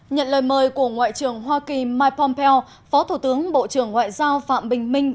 nhận lời mời của ngoại trưởng hoa kỳ mike pompeo phó thủ tướng bộ trưởng ngoại giao phạm bình minh